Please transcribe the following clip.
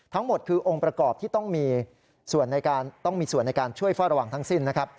ทั้งหมดคือองค์ประกอบที่ต้องมีส่วนในการช่วยฝ่าระวังทั้งสิ้นนะครับ